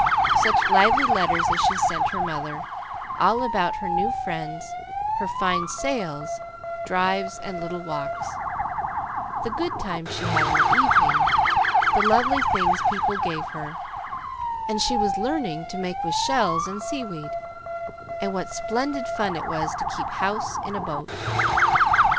Such lively letters as she sent her mother, all about her new friends, her fine sails, drives, and little walks; the good times she had in the evening, the lovely things people gave her, and she was learning to make with shells and sea weed, and what splendid fun it was to keep house in a boat.